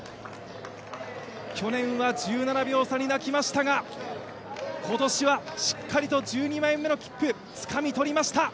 去年は１７秒差に泣きましたが今年はしっかりと１２枚目の切符つかみ取りました！